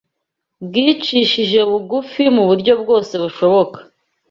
bwicishije bugufi mu buryo bwose bushoboka